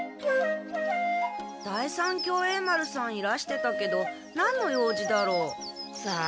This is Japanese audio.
第三協栄丸さんいらしてたけどなんの用事だろう？さあ？